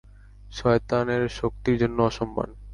শয়তানের শক্তির জন্য অসম্মান।